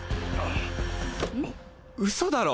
うそだろ